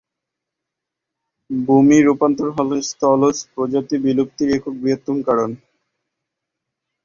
ভূমি রূপান্তর হলো স্থলজ প্রজাতি বিলুপ্তির একক বৃহত্তম কারণ।